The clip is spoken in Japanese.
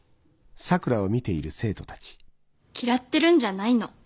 嫌ってるんじゃないの。